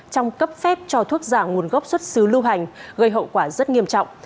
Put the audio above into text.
trong cấp phép cho thuốc giả nguồn gốc xuất xứ lưu hành gây hậu quả rất nghiêm trọng